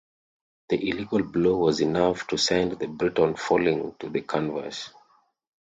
The illegal blow was enough to send the Briton falling to the canvas.